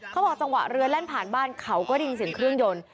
เขาบอกจังหวะเรือแล่นผ่านบ้านเขาก็ได้ยินเสียงเครื่องยนต์